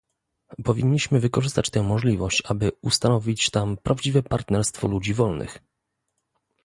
Powinniśmy wykorzystać tę możliwość, aby ustanowić tam prawdziwe partnerstwo ludzi wolnych